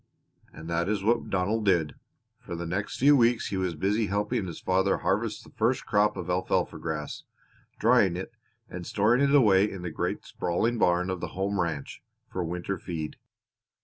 And that was what Donald did. For the next few weeks he was busy helping his father harvest the first crop of alfalfa grass, drying it, and storing it away in the great sprawling barn of the home ranch for winter feed.